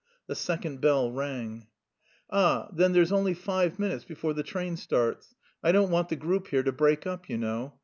The second bell rang. "Ah, then there's only five minutes before the train starts. I don't want the group here to break up, you know.